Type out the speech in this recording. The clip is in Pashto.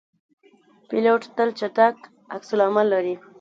پیلوټ تل چټک عکس العمل لري.